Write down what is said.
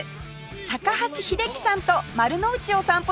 高橋英樹さんと丸の内を散歩します